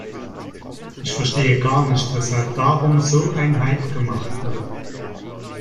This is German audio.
Ich verstehe gar nicht, weshalb darum so ein Hype gemacht wird.